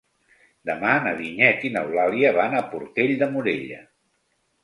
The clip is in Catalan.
Demà na Vinyet i n'Eulàlia van a Portell de Morella.